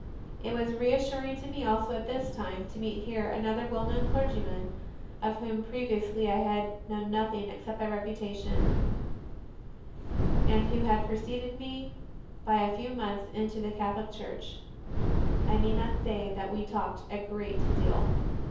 It was reassuring to me also at this time to meet here another well known clergyman, of whom previously I had known nothing except by reputa i 4 o CONFESSIONS OF A CONVERT tion, and who had preceded me by a few months into the Catholic Church. I need not say that we talked a great deal.